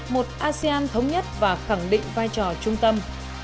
một asean thống nhất và khẳng định vai trò trung tâm